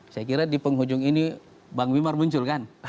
saya kira di penghujung ini bang wimar muncul kan